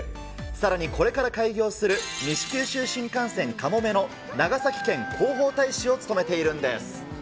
さらにこれから開業する西九州新幹線かもめの、長崎県広報大使を務めているんです。